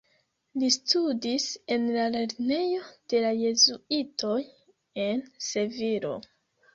Li studis en la lernejo de la Jezuitoj en Sevilo.